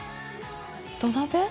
土鍋？